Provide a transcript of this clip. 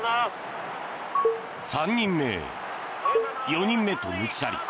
３人目、４人目と抜き去り